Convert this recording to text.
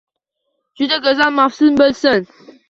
Juda go‘zal mavsum bo‘lsin.